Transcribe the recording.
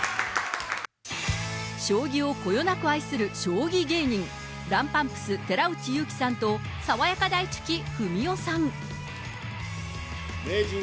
将棋をこよなく愛する、将棋芸人、ランパンプス・寺内ゆうきさんとさわやかだいちゅき・ふみおさん。